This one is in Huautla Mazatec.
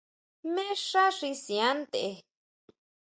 ¿Jmé xá xi siʼan ntʼe?